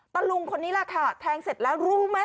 ตะลุงคนนี้แหละค่ะแทงเสร็จแล้วรู้ไหม